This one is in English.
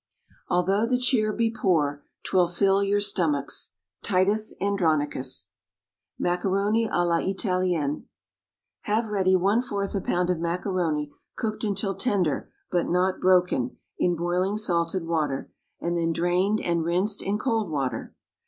Although the cheer be poor, 'Twill fill your stomachs. Titus Andronicus. =Macaroni à la Italienne.= Have ready one fourth a pound of macaroni, cooked until tender, but not broken, in boiling salted water, and then drained, and rinsed in cold water.